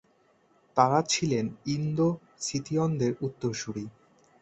তাঁরা ছিলেন ইন্দো-সিথিয়নদের উত্তরসূরি।